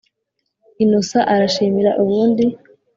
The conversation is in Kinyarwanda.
innocent arashimira ubundi